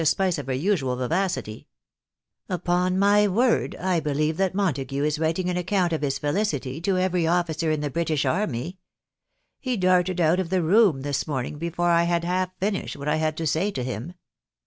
spice ef her usual vivacity, .... ""Upon my wosdV I believe mat Montague is writing an account of his felicity to every osaeer in the British army. He darted out of die room: this morning before I had half finished what I had to' say to him.